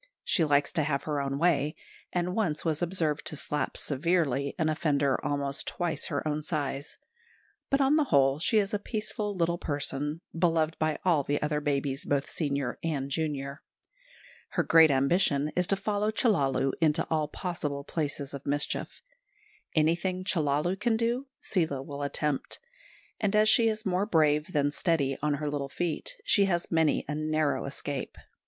She likes to have her own way, and once was observed to slap severely an offender almost twice her own size; but on the whole she is a peaceful little person, beloved by all the other babies, both senior and junior. Her great ambition is to follow Chellalu into all possible places of mischief. Anything Chellalu can do Seela will attempt; and as she is more brave than steady on her little feet, she has many a narrow escape.